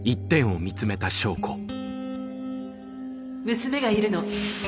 娘がいるの。